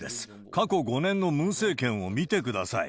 過去５年のムン政権を見てください。